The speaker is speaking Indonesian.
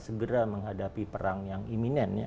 segera menghadapi perang yang iminent